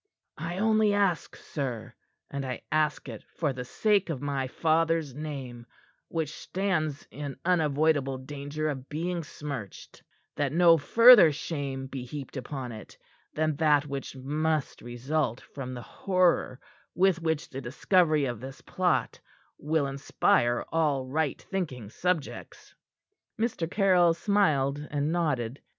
"I only ask, sir and I ask it for the sake of my father's name, which stands in unavoidable danger of being smirched that no further shame be heaped upon it than that which must result from the horror with which the discovery of this plot will inspire all right thinking subjects." Mr. Caryll smiled and nodded.